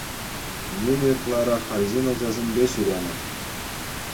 Нина ытларах арҫын ачасемпе ҫӳренӗ.